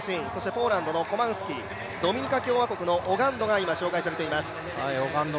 ポーランドのコマンスキ、ドミニカ共和国のオガンドが今紹介されています。